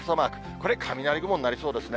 これ、雷雲になりそうですね。